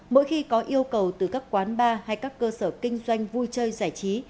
mỗi khi có yêu cầu từ các quán bar hay các cơ sở kinh doanh vui chơi giải trí